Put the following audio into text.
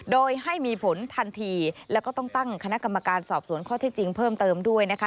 โดยให้มีผลทันทีแล้วก็ต้องตั้งคณะกรรมการสอบสวนข้อที่จริงเพิ่มเติมด้วยนะคะ